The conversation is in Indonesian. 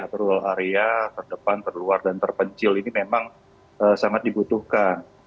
atau area terdepan terluar dan terpencil ini memang sangat dibutuhkan